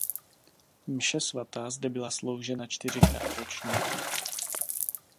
Mše svatá zde byla sloužena čtyřikrát ročně.